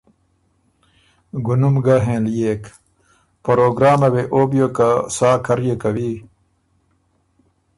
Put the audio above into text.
ګُونُم ګۀ هېنليېک، پروګرامه وې او بیوک که سا کر يې کوی